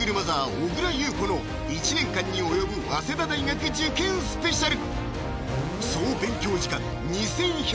小倉優子の１年間に及ぶ早稲田大学受験スペシャル！